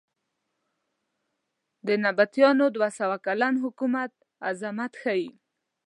د نبطیانو دوه سوه کلن حکومت عظمت ښیې.